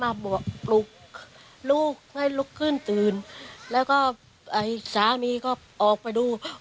น้ำตามติดก็รื้อของช่วยรื้อของกัน